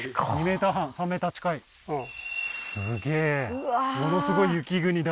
うんすげえものすごい雪国だ